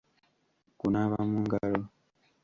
Kunaaba mu ngalo.